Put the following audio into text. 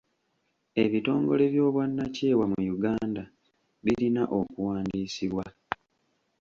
Ebitongole by'obwannakyewa mu Uganda birina okuwandiisibwa.